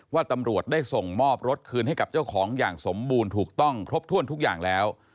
ว่าตำรวจได้ส่งมอบรถคืนให้กับเจ้าของอย่างสมบูรณ์ถูกต้องครบถ้วนทุกอย่างแล้ว